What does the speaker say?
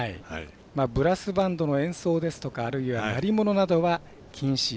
ブラスバンドの演奏ですとかあるいは鳴り物などは禁止。